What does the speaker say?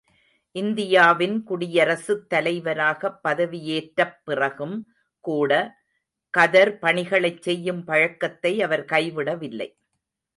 இந்தியாவின் குடியரசுத் தலைவராகப் பதவியேற்றப் பிறகும் கூட, கதர் பணிகளைச் செய்யும் பழக்கத்தை அவர் கைவிடவில்லை.